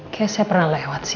kayaknya saya pernah lewat sini